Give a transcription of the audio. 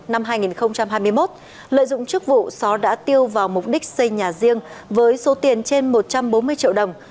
năm hai nghìn hai mươi một lợi dụng chức vụ sáu đã tiêu vào mục đích xây nhà riêng với số tiền trên một trăm bốn mươi triệu đồng